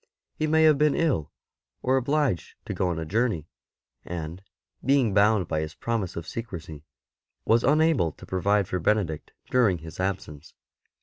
He may have been ill; or obliged to go on a journey, and, being bound by his promise of secrecy, was unable to provide for Benedict during his absence.